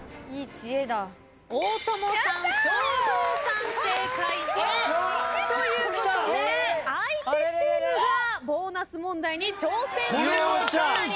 大友さん正蔵さん正解。ということで相手チームがボーナス問題に挑戦することとなります。